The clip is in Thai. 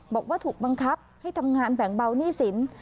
บอกว่าถูกบังคับให้ทำงานแบ่งเบาหนี้สิน